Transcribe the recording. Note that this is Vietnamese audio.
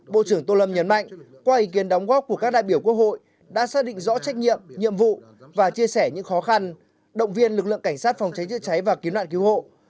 bộ trưởng tô lâm nhấn mạnh qua ý kiến đóng góp của các đại biểu quốc hội đã xác định rõ trách nhiệm nhiệm vụ và chia sẻ những khó khăn động viên lực lượng cảnh sát phòng cháy chữa cháy và cứu nạn cứu hộ